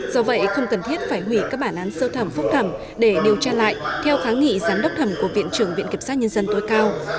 do vậy không cần thiết phải hủy các bản án sơ thẩm phúc thẩm để điều tra lại theo kháng nghị giám đốc thẩm của viện trưởng viện kiểm sát nhân dân tối cao